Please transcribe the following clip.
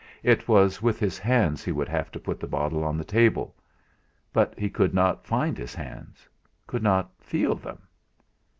It was with his hands he would have to put the bottle on the table! But he could not find his hands, could not feel them.